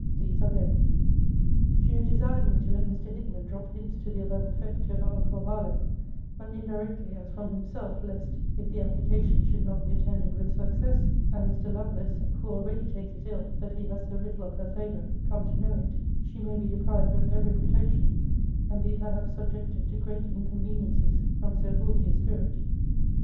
These are they: She had desired me to let Mr. Hickman drop hints to the above effect to her uncle Harlowe; but indirectly, as from himself, lest, if the application should not be attended with success, and Mr. Lovelace (who already takes it ill that he has so little of her favour) come to know it, she may be deprived of every protection, and be perhaps subjected to great inconveniencies from so haughty a spirit.